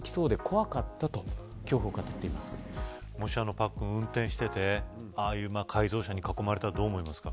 パックン、もし運転をしていて改造車に囲まれたらどう思いますか。